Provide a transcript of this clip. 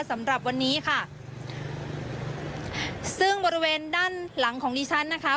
สำหรับวันนี้ค่ะซึ่งบริเวณด้านหลังของดิฉันนะคะ